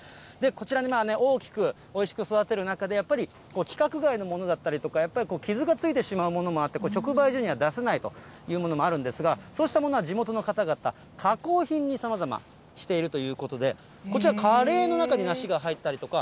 こちらに大きく、おいしく育てる中で、やっぱり規格外のものだったりとか、やっぱりこう、傷がついてしまうものもあって、直売所には出せないというものもあるんですが、そうしたものは地元の方々、加工品にさまざましているということで、こちらカレーの中に梨が入ったりとか。